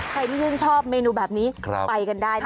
ใครที่ชอบเมนูแบบนี้ไปกันได้